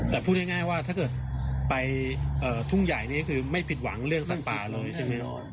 แต่พูดง่ายว่าถ้าเกิดไปทุ่งใหญ่นี่คือไม่ผิดหวังเรื่องสัตว์ป่าเลยใช่ไหม